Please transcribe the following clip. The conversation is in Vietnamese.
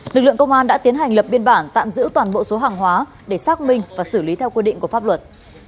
lực lượng công an đã tiến hành lập biên bản tạm giữ toàn bộ số hàng hóa để xác minh và xử lý theo quy định của pháp luật